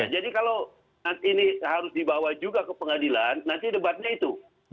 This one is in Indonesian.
jadi kalau nanti ini harus dibawa juga ke pengadilan nanti debatnya itu